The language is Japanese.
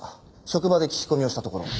職場で聞き込みをしたところ。